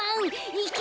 いけ！